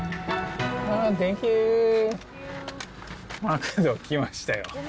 マクドきましたよ。